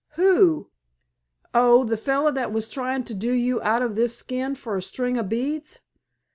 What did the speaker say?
"Who? Oh, the feller that was tryin' to do you out of this skin for a string of beads?